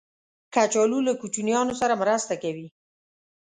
کچالو له کوچنیانو سره مرسته کوي